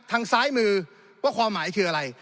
ทางซ้ายมือว่าความหมายคืออะไร